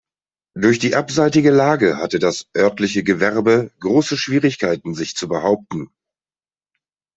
Durch die abseitige Lage hatte das örtliche Gewerbe große Schwierigkeiten, sich zu behaupten.